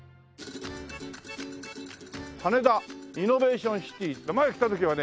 羽田イノベーションシティって前来た時はね